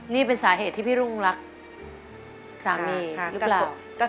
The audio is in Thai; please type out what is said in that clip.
นี่เป็นสาเหตุที่พี่รุ่งรักสามีหรือเปล่า